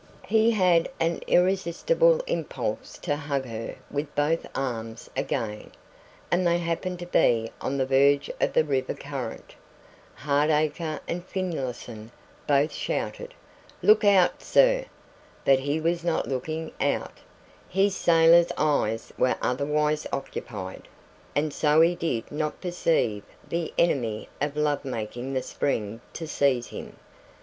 He had an irresistible impulse to hug her with both arms again, and they happened to be on the verge of the river current. Hardacre and Finlayson both shouted, "Look out, sir!" but he was not looking out his sailor eyes were otherwise occupied, and so he did not perceive the enemy of love making the spring to seize him.